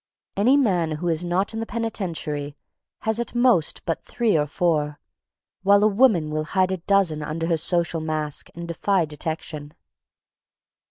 Any man who is not in the penitentiary has at most but three or four, while a woman will hide a dozen under her social mask and defy detection.